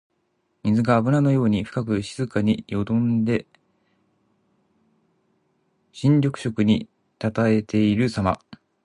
水があぶらのように深く静かによどんで深緑色にたたえているさま。